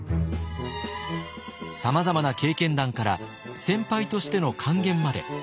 さまざまな経験談から先輩としての諫言まで。